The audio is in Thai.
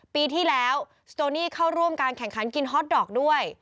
ปีที่แล้วสโจนี่เข้าร่วมการแข่งขันกินฮอตดอกด้วย